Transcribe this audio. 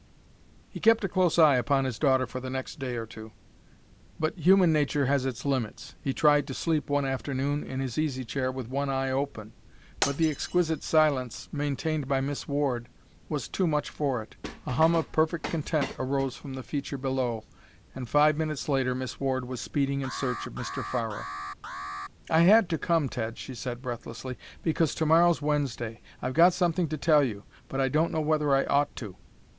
He kept a close eye upon his daughter for the next day or two, but human nature has its limits. He tried to sleep one afternoon in his easy chair with one eye open, but the exquisite silence maintained by Miss Ward was too much for it. A hum of perfect content arose from the feature below, and five minutes later Miss Ward was speeding in search of Mr. Farrer. "I had to come, Ted," she said, breathlessly, "because to morrow's Wednesday. I've got something to tell you, but I don't know whether I ought to."